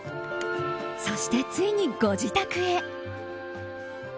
そして、ついにご自宅へ。